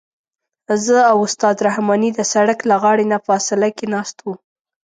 زه او استاد رحماني د سړک له غاړې نه فاصله کې ناست وو.